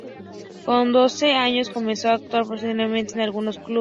Con doce años comenzó a actuar profesionalmente en algunos clubes.